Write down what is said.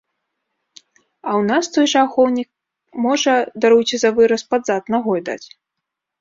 А ў нас той жа ахоўнік можа, даруйце за выраз, пад зад нагой даць.